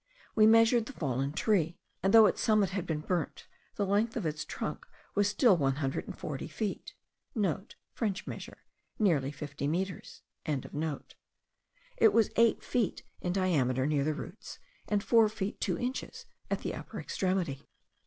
We measured the fallen tree; and though its summit had been burnt, the length of its trunk was still one hundred and fifty four feet.* (* French measure, nearly fifty metres.) It was eight feet in diameter near the roots, and four feet two inches at the upper extremity.